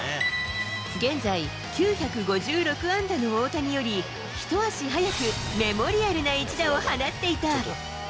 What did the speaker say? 現在９５６安打の大谷より一足早くメモリアルな一打を放っていた。